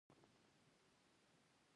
سرپل د تیلو څاګانې لري که نه؟